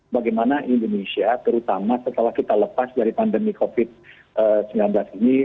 bagaimana indonesia terutama setelah kita lepas dari pandemi covid sembilan belas ini